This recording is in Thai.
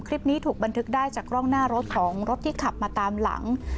คลิปนี้ถูกบันทึกได้จากกล้องหน้ารถของรถที่ขับมาตามหลัง